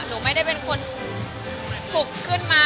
จูลไม่เป็นคนถุกขึ้นมา